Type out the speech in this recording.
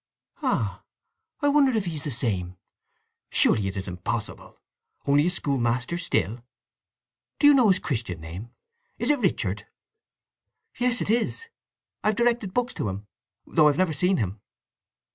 "Ah! I wonder if he's the same. Surely it is impossible! Only a schoolmaster still! Do you know his Christian name—is it Richard?" "Yes—it is; I've directed books to him, though I've never seen him."